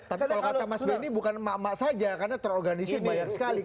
tapi kalau kata mas benny bukan emak emak saja karena terorganisir banyak sekali